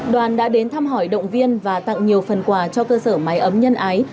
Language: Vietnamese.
đoàn đã đến thăm hỏi động viên và tặng nhiều phần quà cho cơ sở máy ấm nhân ái